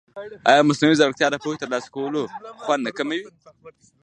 ایا مصنوعي ځیرکتیا د پوهې د ترلاسه کولو خوند نه کموي؟